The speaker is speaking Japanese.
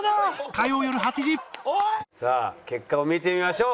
さあ結果を見てみましょう。